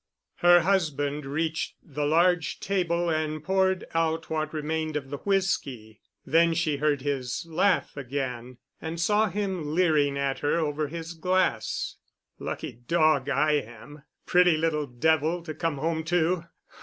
Her husband reached the large table and poured out what remained of the whisky. Then she heard his laugh again, and saw him leering at her over his glass. "Lucky dog, I am. Pretty little devil to come home to.